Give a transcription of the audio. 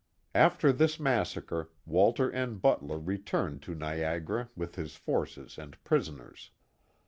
After this ttiassacre, Walter N. Butler returned to Niagara with his forces and prisoners.